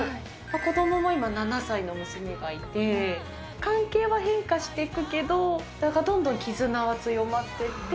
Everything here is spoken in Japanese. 子どもも今７歳の娘がいて、関係は変化していくけど、なんかどんどん絆は強まってって。